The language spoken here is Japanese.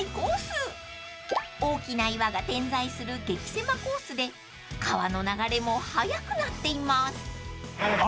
［大きな岩が点在する激狭コースで川の流れも速くなっています］